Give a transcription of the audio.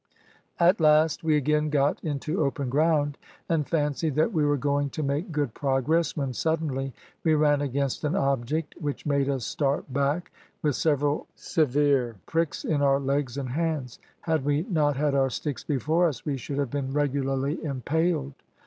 At last we again got into open ground, and fancied that we were going to make good progress, when suddenly we ran against an object which made us start back, with several severe pricks in our legs and hands; had we not had our sticks before us we should have been regularly impaled.